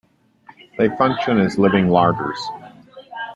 They function as living larders.